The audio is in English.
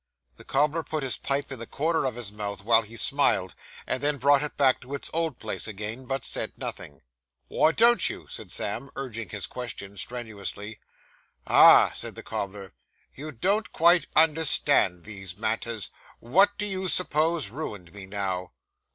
The cobbler put his pipe in the corner of his mouth, while he smiled, and then brought it back to its old place again; but said nothing. 'Wy don't you?' said Sam, urging his question strenuously. 'Ah,' said the cobbler, 'you don't quite understand these matters. What do you suppose ruined me, now?